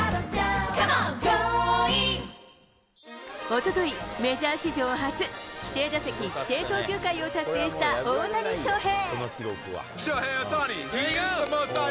おととい、メジャー史上初、規定打席規定投球回を達成した大谷翔平。